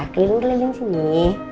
keliru lagi disini